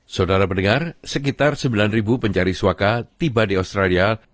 saudara pendengar sekitar sembilan ribu pencari swaka tiba di australia